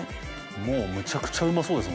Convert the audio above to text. もうむちゃくちゃうまそうですもん。